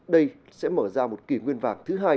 đây sẽ mở ra một kỷ nguyên vàng thứ hai